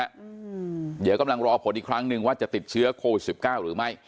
อืมเดี๋ยวกำลังรอผลอีกครั้งหนึ่งว่าจะติดเชื้อโควิดสิบเก้าหรือไม่